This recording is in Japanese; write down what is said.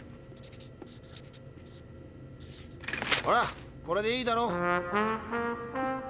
ほらこれでいいだろ。